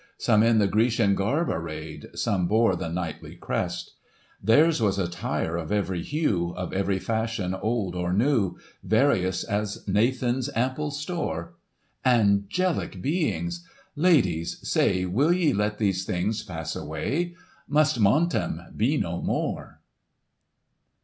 Some in the Grecian garb array'd. Some bore the knightly crest ; Theirs was attire of every hue, Of every fashion, old, or new, Various as Nathan's ample store. Angelic beings ! Ladies ! say Will ye let these things pass away ? Must Montem be no more